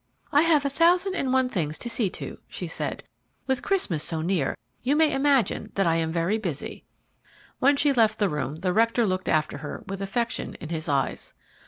"I have a thousand and one things to see to," she said. "With Christmas so near, you may imagine that I am very busy." When she left the room, the rector looked after her with affection in his eyes.